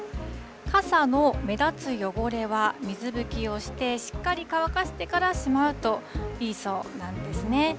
傘の目立つ汚れは水拭きをして、しっかり乾かしてからしまうといいそうなんですね。